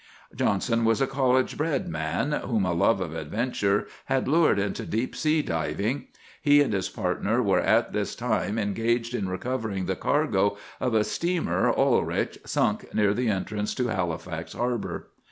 "Johnson was a college bred man, whom a love of adventure had lured into deep sea diving. He and his partner were at this time engaged in recovering the cargo of the steamer Oelrich, sunk near the entrance to Halifax harbor.